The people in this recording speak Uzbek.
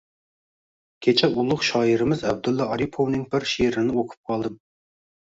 Kecha ulugʻ shoirimiz Abdulla Oripovning bir sheʼrini oʻqib qoldim